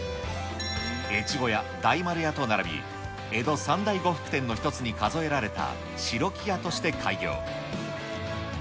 越後屋、大丸屋と並び、江戸三大呉服店の一つに数えられた白木屋として開業。